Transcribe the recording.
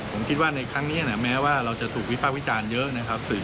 ผมคิดว่าในครั้งนี้แม้ว่าเราจะถูกวิภาควิจารณ์เยอะนะครับ